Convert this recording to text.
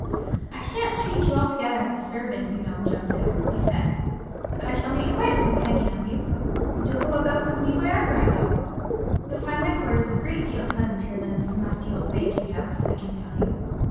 'I shan't treat you altogether as a servant, you know, Joseph,' he said, 'but I shall make quite a companion of you, and you'll go about with me wherever I go. You'll find my quarters a great deal pleasanter than this musty old banking house, I can tell you.'